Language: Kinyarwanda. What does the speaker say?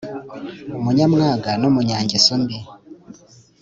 Umunyamwaga N Umunyangeso Mbi